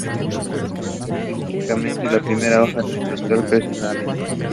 Característicamente, la primera hoja de la plántula carece de lámina.